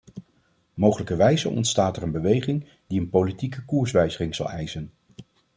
Mogelijkerwijze ontstaat er een beweging die een politieke koerswijziging zal eisen.